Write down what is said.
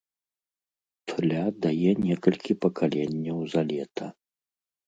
Тля дае некалькі пакаленняў за лета.